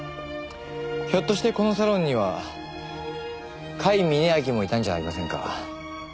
ひょっとしてこのサロンには甲斐峯秋もいたんじゃありませんか？